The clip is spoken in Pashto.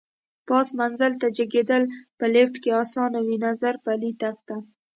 پاس منزل ته جګېدل په لېفټ کې اسان وي، نظر پلي تګ ته.